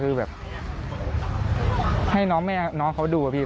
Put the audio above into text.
คือแบบให้น้องแม่น้องเขาดูอะพี่